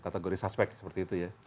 kategori suspek seperti itu ya